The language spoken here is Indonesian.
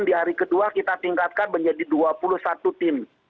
di hari kedua kita tingkatkan menjadi dua puluh satu tim